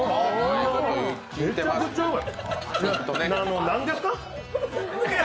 めちゃくちゃうまい。